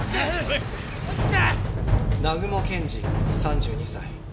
南雲健二３２歳。